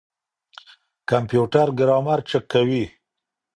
کمپيوټر ګرامر چک کوي.